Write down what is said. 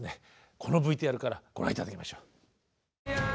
このＶＴＲからご覧頂きましょう。